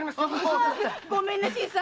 ごめんね新さん。